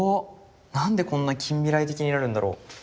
何でこんな近未来的になるんだろう？